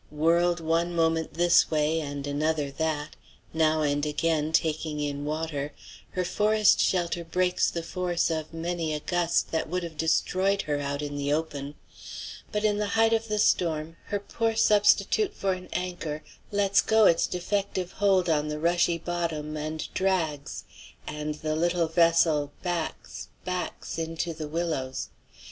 Whirled one moment this way and another that, now and again taking in water, her forest shelter breaks the force of many a gust that would have destroyed her out in the open. But in the height of the storm her poor substitute for an anchor lets go its defective hold on the rushy bottom and drags, and the little vessel backs, backs, into the willows.